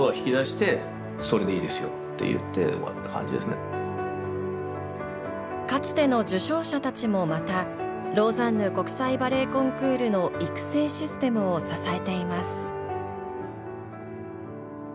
やはりかつての受賞者たちもまたローザンヌ国際バレエコンクールの育成システムを支えています。